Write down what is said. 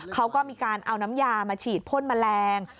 เขาก็มีการเอาน้ำยามาฉีดพ่นแมลง